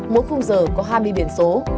mỗi khung giờ có hai mươi biển số